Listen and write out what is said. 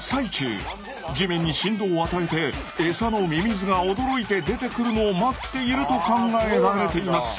地面に振動を与えてエサのミミズが驚いて出てくるのを待っていると考えられています。